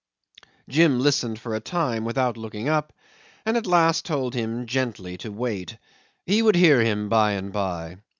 Jim listened for a time without looking up, and at last told him gently to wait. He would hear him by and by.